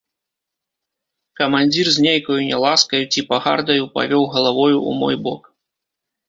Камандзір з нейкаю няласкаю ці пагардаю павёў галавою ў мой бок.